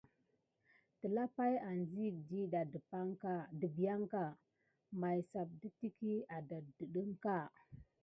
Telapay anziyek diɗɑ dəbiyanka may sap də teky adaddəɗ əŋka.